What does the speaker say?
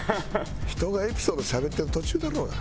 「人がエピソードしゃべってる途中だろうが」。